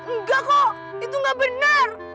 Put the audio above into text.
nggak kok itu nggak bener